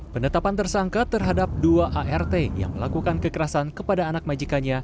penetapan tersangka terhadap dua art yang melakukan kekerasan kepada anak majikanya